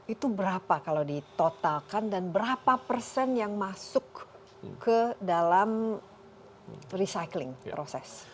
itu berapa kalau ditotalkan dan berapa persen yang masuk ke dalam recycling proses